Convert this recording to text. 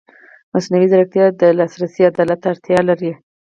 مصنوعي ځیرکتیا د لاسرسي عدالت ته اړتیا لري.